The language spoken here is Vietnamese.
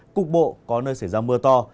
cục bộ có nơi xảy ra mưa to